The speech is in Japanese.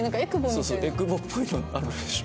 そうそうえくぼっぽいのあるでしょ？